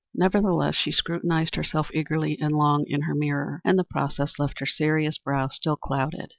Nevertheless she scrutinized herself eagerly and long in her mirror, and the process left her serious brow still clouded.